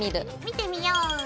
見てみよう！